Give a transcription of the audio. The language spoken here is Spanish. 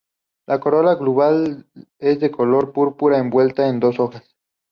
La corola globular es de color púrpura envuelta en dos hojas.